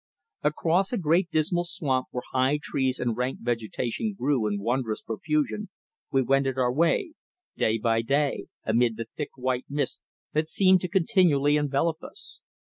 Across a great dismal swamp where high trees and rank vegetation grew in wondrous profusion we wended our way, day by day, amid the thick white mist that seemed to continually envelop us.